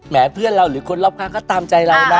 แหม่เพื่อนเราหรือคนรอบครั้งเขาตามใจเราน่ะ